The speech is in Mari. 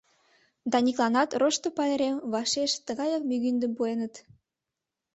Даникланат Рошто пайрем вашеш тыгаяк мӱгиндым пуэныт.